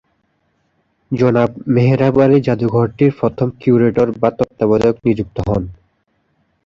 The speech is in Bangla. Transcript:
জনাব মেহরাব আলী জাদুঘরটির প্রথম কিউরেটর বা তত্ত্বাবধায়ক নিযুক্ত হোন।